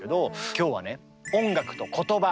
今日はね